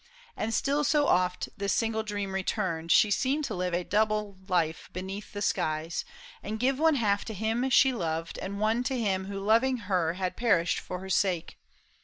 And still so oft PAUL I SHAM. This single dream returned, she seemed to live A double life beneath the skies, and give One half to him she loved, and one to him Who loving her had perished for her sake.